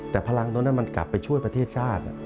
แต่พลังตรงนั้นมันกลับไปช่วยประเทศชาติ